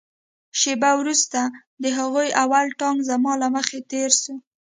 شېبه وروسته د هغوى اول ټانک زما له مخې تېر سو.